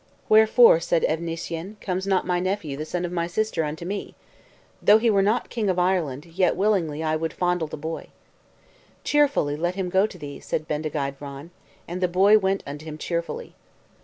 "Wherefore," said Evnissyen, "comes not my nephew, the son of my sister, unto me? Though he were not king of Ireland, yet willingly would I fondle the boy." "Cheerfully let him go to thee," said Bendigeid Vran; and the boy went unto him cheerfully.